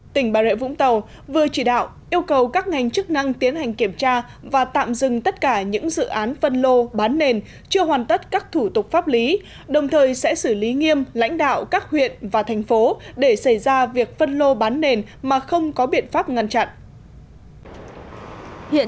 tỉnh bà rịa vũng tàu vừa chỉ đạo yêu cầu các ngành chức năng tiến hành kiểm tra và tạm dừng tất cả những dự án phân lô bán nền chưa hoàn tất các thủ tục pháp lý đồng thời sẽ xử lý nghiêm lãnh đạo các huyện và thành phố để xảy ra việc phân lô bán nền mà không có biện pháp ngăn chặn